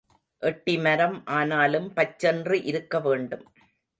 எட்டி மரம் ஆனாலும் பச்சென்று இருக்க வேண்டும்.